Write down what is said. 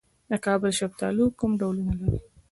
د کابل شفتالو کوم ډولونه لري؟